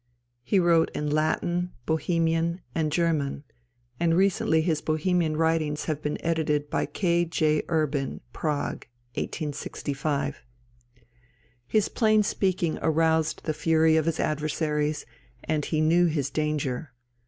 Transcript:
He wrote in Latin, Bohemian, and German, and recently his Bohemian writings have been edited by K. J. Erben, Prague (1865). His plain speaking aroused the fury of his adversaries, and he knew his danger.